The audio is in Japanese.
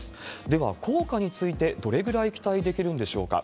では、効果についてどれぐらい期待できるんでしょうか。